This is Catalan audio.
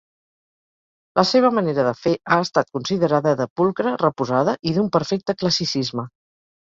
La seva manera de fer ha estat considerada de pulcra, reposada i d’un perfecte classicisme.